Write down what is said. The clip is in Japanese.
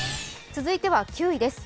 続いては９位です。